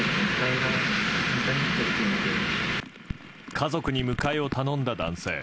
家族に迎えを頼んだ男性。